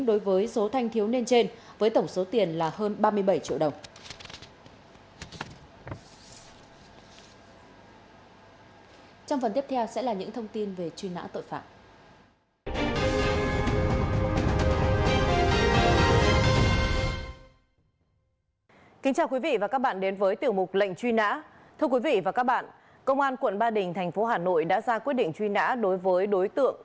đối với số thanh thiếu niên trên với tổng số tiền là hơn ba mươi bảy triệu đồng